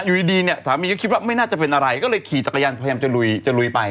อยู่ดีเนี่ยสามีก็คิดว่าไม่น่าจะเป็นอะไรก็เลยขี่จักรยานพยายามจะลุยจะลุยไป